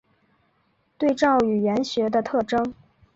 对照语言学的特征。